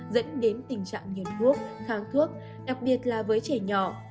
dẫn đến tình trạng nghiện thuốc kháng thuốc đặc biệt là với trẻ nhỏ